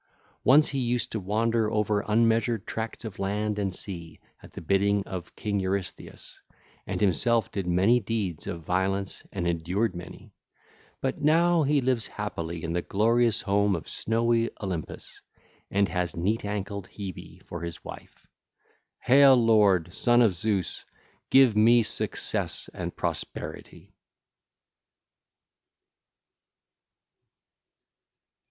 Once he used to wander over unmeasured tracts of land and sea at the bidding of King Eurystheus, and himself did many deeds of violence and endured many; but now he lives happily in the glorious home of snowy Olympus, and has neat ankled Hebe for his wife. (l. 9) Hail, lord, son of Zeus! Give me success and prosperity.